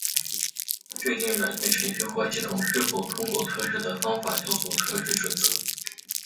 确定软件程序或系统是否通过测试的方法叫做测试准则。